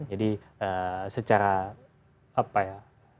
jadi secara apa ya